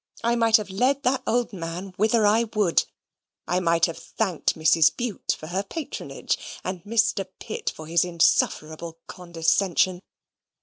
I might have led that old man whither I would. I might have thanked Mrs. Bute for her patronage, and Mr. Pitt for his insufferable condescension.